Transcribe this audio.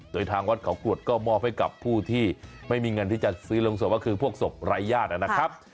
โดยทางวัดเขากรวดก็มอบให้กับผู้ที่ไม่มีเงินที่จะซื้อลงศพก็คือพวกศพรายญาตินะครับ